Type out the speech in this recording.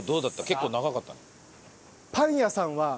結構長かったね。